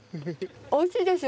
おいしいでしょ？